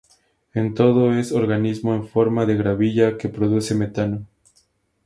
En todo, es "organismo en forma de gravilla que produce metano.